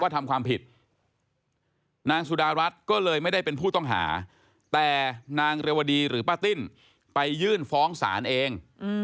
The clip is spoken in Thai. ที่ป้าติ้นไปยื่นฟ้องสารเอง